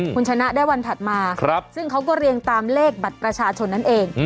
คุณชนะได้วันถัดมาซึ่งเขาก็เรียงตามเลขบัตรประชาชนนั่นเอง